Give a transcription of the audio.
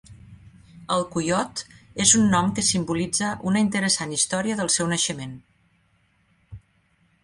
El "Coiot" és un nom que simbolitza una interessant història del seu naixement.